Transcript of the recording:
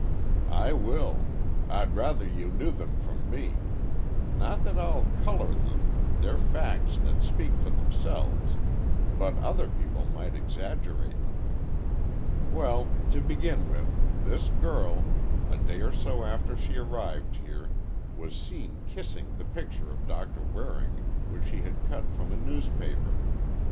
"I will. I'd rather you knew them from me. Not that I'll color them—they're facts that speak for themselves, but other people might exaggerate them. Well, to begin with, this girl, a day or so after she arrived here was seen kissing the picture of Doctor Waring which she had cut from a newspaper.